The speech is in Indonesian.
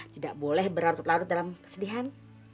tidak boleh berlarut larut dalam kesedihan